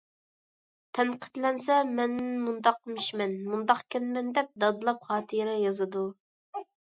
تەنقىدلەنسە مەن مۇنداقمىشمەن، مۇنداقكەنمەن دەپ دادلاپ خاتىرە يازىدۇ.